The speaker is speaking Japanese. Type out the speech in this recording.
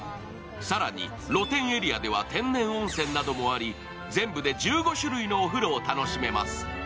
更に、露天エリアでは天然温泉などもあり全部で１５種類のお風呂を楽しめます。